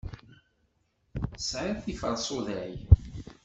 Tesɛiḍ tiferṣuday?